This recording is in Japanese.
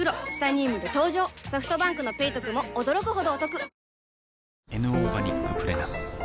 ソフトバンクの「ペイトク」も驚くほどおトク